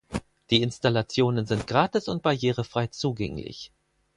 Die Installationen sind gratis und barrierefrei zugänglich.